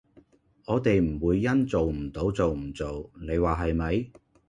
我地唔會因做唔到就唔做，你話係咪？